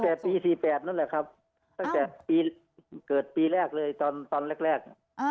ตั้งแต่ปี๔๘นั่นแหละครับตั้งแต่ปีเกิดปีแรกเลยตอนตอนแรก